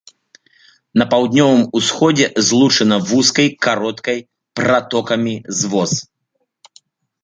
На паўднёвым усходзе злучана вузкай кароткай пратокамі з воз.